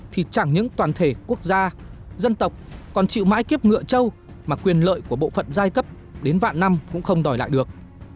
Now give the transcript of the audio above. thì chẳng những toàn thể quốc gia dân tộc còn chịu mãi kiếp ngựa châu mà quyền lợi của bộ phận giai cấp đến vạn năm cũng không đòi lại được